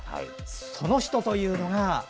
その人というのが。